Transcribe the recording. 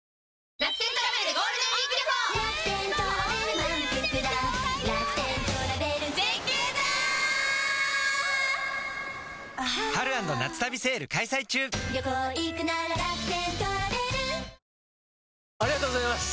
ぷはーっありがとうございます！